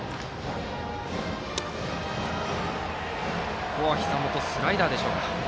ここはひざ元のスライダーでしょうか。